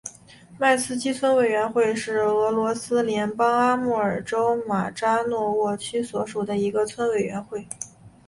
迈斯基村委员会是俄罗斯联邦阿穆尔州马扎诺沃区所属的一个村委员会。